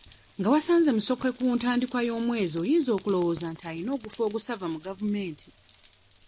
Nga wasanze Musoke ku ntandikwa y'omwezi oyinza okulowooza nti alina ogufo ogusava mu gavumenti.